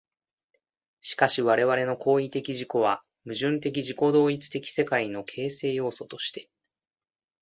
しかし我々の行為的自己は、矛盾的自己同一的世界の形成要素として、